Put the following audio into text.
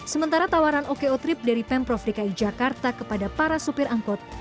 sementara tawaran oko trip dari pemprov dki jakarta kepada para sopir angkut